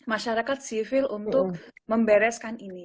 jadi masyarakat sivil untuk membereskan ini